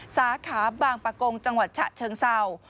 สาขาบางประกงจังหวัดฉะเชิงเศร้า